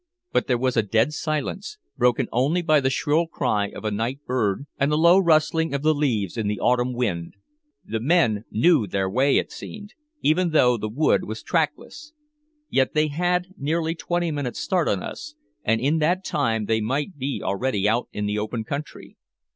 But there was a dead silence, broken only by the shrill cry of a night bird and the low rustling of the leaves in the autumn wind. The men knew their way, it seemed, even though the wood was trackless. Yet they had nearly twenty minutes start of us, and in that time they might be already out in the open country.